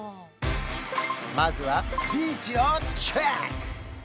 まずはビーチをチェック！